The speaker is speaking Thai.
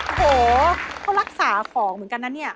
โหเขารักษาของเหมือนกันนะเนี่ย